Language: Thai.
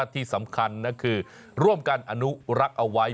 ที่สำคัญคือร่วมกันอนุรักษ์เอาไว้